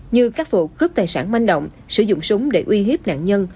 như các vụ cướp tài sản manh động sử dụng súng để uy hiếp nạn nhân